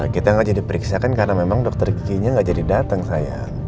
kita gak jadi periksa kan karena memang dokter giginya gak jadi datang sayang